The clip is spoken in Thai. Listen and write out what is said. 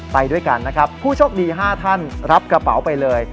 ไปด้วยกันนะครับผู้โชคดี๕ท่านรับกระเป๋าไปเลย